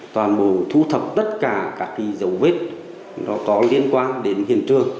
toàn bộ thu thập tất cả các dấu vết có liên quan đến hiện trường